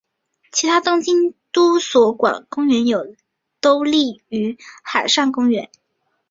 其他东京都所管公园有都立海上公园。